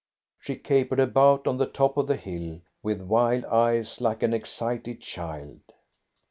She capered about on the top of the hill with wild eyes like an excited child.